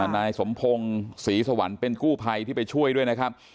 นายสมพงศ์ศรีสวรรค์เป็นกู้ภัยที่ไปช่วยด้วยนะครับ